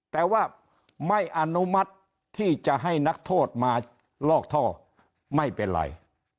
แต่ว่าไม่อนุมัติที่จะให้นักโทษมาลอกท่อไม่เป็นไร